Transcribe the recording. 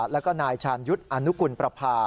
แล้วก็นายชาญยุทธ์อนุกุลประพา